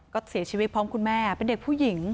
ก็เสียชีวิตพร้อมคุณแม่เป็นเด็กผู้หญิง